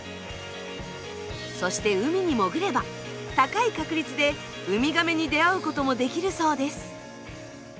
そして海に潜れば高い確率でウミガメに出会うこともできるそうです。